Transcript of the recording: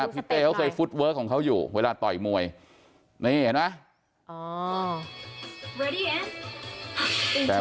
พี่เต้เขาเคยฟุตเวิร์คของเขาอยู่เวลาต่อยมวยนี่เห็นไหม